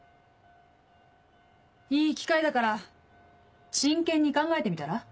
いい機会だから真剣に考えてみたら？